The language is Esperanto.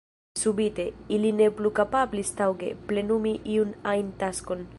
Subite, ili ne plu kapablis taŭge plenumi iun ajn taskon.